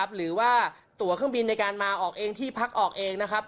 หรือว่าตัวเครื่องบินในการมาออกเองที่พักออกเองนะครับ